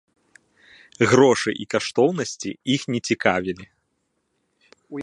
Грошы і каштоўнасці іх не цікавілі.